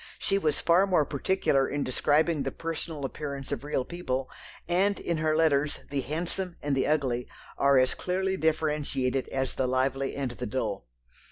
She was far more particular in describing the personal appearance of real people, and in her letters the handsome and the ugly are as clearly differentiated as the lively and the dull.